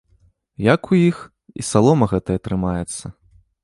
Як у іх і салома гэтая трымаецца!